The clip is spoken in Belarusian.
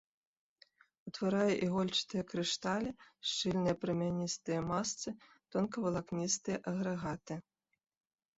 Утварае ігольчатыя крышталі, шчыльныя прамяністыя масцы, тонкавалакністыя агрэгаты.